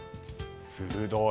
鋭い！